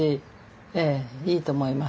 ええいいと思います